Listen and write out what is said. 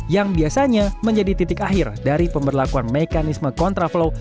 yang biasanya menjadi titik akhir dari pemberlakuan mekanisme kontraflow